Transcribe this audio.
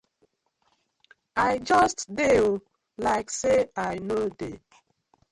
I just dey oo, like say I no dey.